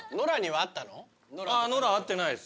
あっノラ会ってないです。